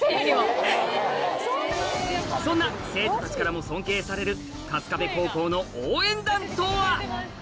そんな生徒たちからも尊敬される春日部高校の応援団とは？